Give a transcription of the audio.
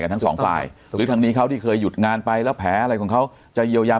ทั้งสองฝ่ายหรือทางนี้เขาที่เคยหยุดงานไปแล้วแผลอะไรของเขาจะเยียวยา